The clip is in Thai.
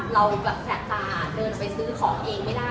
เราแบบแสบตาเดินไปซื้อของเองไม่ได้